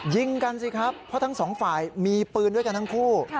ยิงกันสิครับเพราะทั้งสองฝ่ายมีปืนด้วยกันทั้งคู่